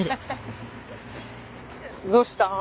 どうしたん？